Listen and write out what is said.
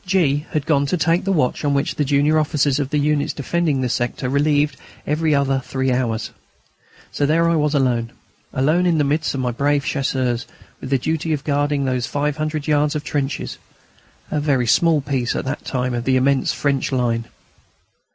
G. had gone to take the watch on which the junior officers of the units defending the sector relieved each other every three hours. So there I was alone, alone in the midst of my brave Chasseurs, with the duty of guarding those five hundred yards of trenches a very small piece at that time of the immense French line.